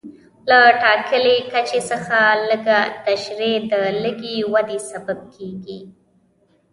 له ټاکلي کچې څخه لږه ترشح د لږې ودې سبب کېږي.